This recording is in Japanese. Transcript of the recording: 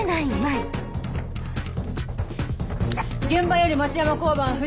現場より町山交番藤。